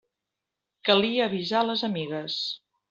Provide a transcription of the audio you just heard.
Calia avisar les amigues.